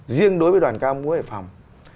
riêng đối với đoàn ca múa hải phòng